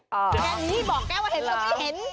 แค่นี้บอกแค่ว่าเห็นก็ไม่เห็น